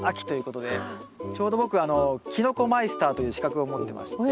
ちょうど僕きのこマイスターという資格を持ってまして。